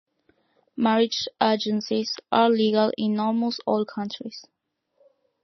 Marriage agencies are legal in almost all countries.